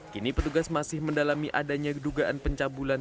kini petugas masih mendalami adanya dugaan pencabulan